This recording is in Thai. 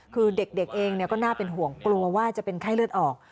คือเด็กเองก็น่าเป็นห่วงกลัวว่าจะเป็นไข้เลือดออก